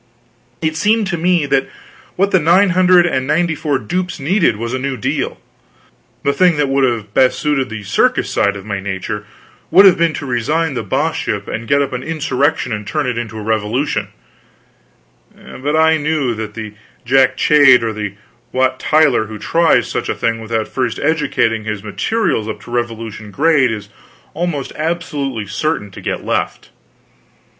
It seemed to me that what the nine hundred and ninety four dupes needed was a new deal. The thing that would have best suited the circus side of my nature would have been to resign the Boss ship and get up an insurrection and turn it into a revolution; but I knew that the Jack Cade or the Wat Tyler who tries such a thing without first educating his materials up to revolution grade is almost absolutely certain to get left.